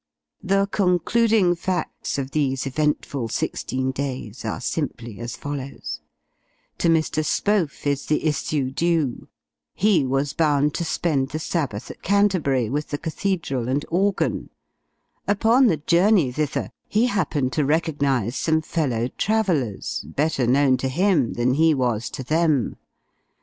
The concluding facts of these eventful sixteen days are simply as follows: to Mr. Spohf is the issue due he was bound to spend the sabbath at Canterbury, with the cathedral and organ; upon the journey thither, he happened to recognise some fellow travellers, better known to him than he was to them.